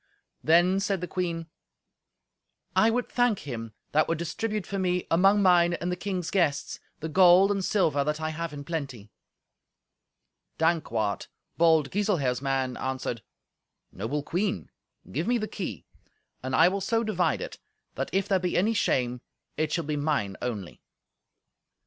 Then said the queen, "I would thank him that would distribute for me, among mine and the king's guests, the gold and silver that I have in plenty." Dankwart, bold Giselher's man, answered, "Noble Queen, give me the key, and I will so divide it that, if there be any shame, it shall be mine only."